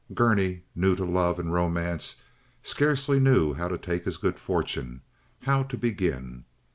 Gurney, new to love and romance, scarcely knew how to take his good fortune, how to begin.